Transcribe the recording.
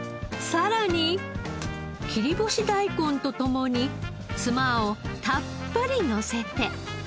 さらに切り干し大根とともにツマをたっぷりのせて。